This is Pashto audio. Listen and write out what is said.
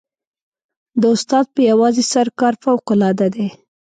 د استاد په یوازې سر کار فوقالعاده دی.